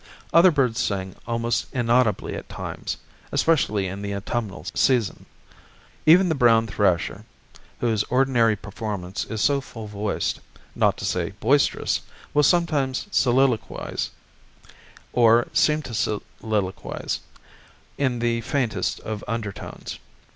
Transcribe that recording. Other birds sing almost inaudibly at times, especially in the autumnal season. Even the brown thrasher, whose ordinary performance, is so full voiced, not to say boisterous, will sometimes soliloquize, or seem to soliloquize, in the faintest of undertones.